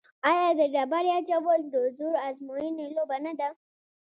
آیا د ډبرې اچول د زور ازموینې لوبه نه ده؟